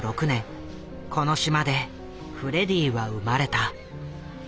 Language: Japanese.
この島でフレディは生まれた。